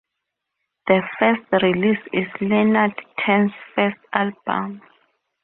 The first release is Leonard Tan's first album.